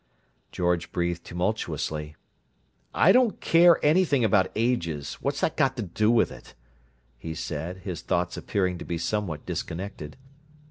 George breathed tumultuously. "I don't care anything about 'ages'! What's that got to do with it?" he said, his thoughts appearing to be somewhat disconnected.